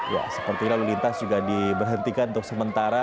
ya seperti lalu lintas juga diberhentikan untuk sementara